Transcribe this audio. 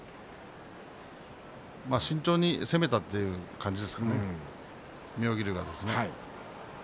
慎重に攻めたという感じでしょうか妙義龍がですね。